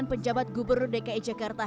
penjabat gubernur dki jakarta